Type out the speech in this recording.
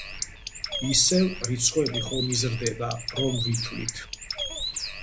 ისევ, რიცხვები ხომ იზრდება, რომ ვითვლით.